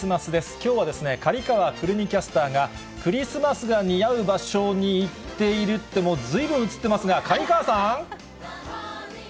きょうは刈川くるみキャスターが、クリスマスが似合う場所に行っているって、もうずいぶん映ってますが、刈川さん。